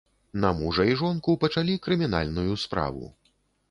На мужа і жонку пачалі крымінальную справу.